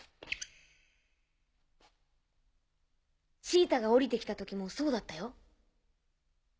シータが降りて来た時もそうだったよ。